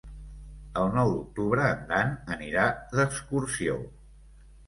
El nou d'octubre en Dan anirà d'excursió.